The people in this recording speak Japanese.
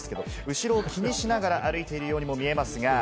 後ろを気にしながら歩いているようにも見えますけれども。